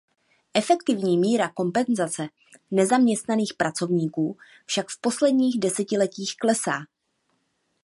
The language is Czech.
Efektivní míra kompenzace nezaměstnaných pracovníků však v posledních desetiletích klesá.